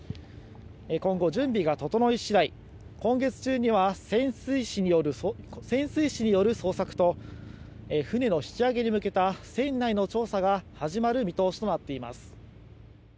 今後、準備が整い次第今月中には潜水士による捜索と船の引き揚げに向けた船内の調査が始まる見通しとなっています。